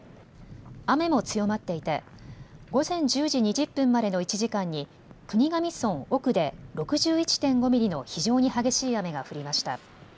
雨も強まっていて午前１０時２０分までの１時間に国頭村奥で６１．５ミリの非常に激しい雨が降りました。